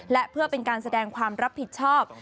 และเพื่อเป็นการแสดงความรับผิดชอบ